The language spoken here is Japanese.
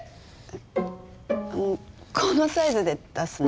このサイズで出すの？